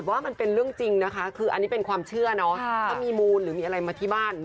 อ่านะนี่ไงนะบอกค้างฟันว่าช้างเข้าบ้าน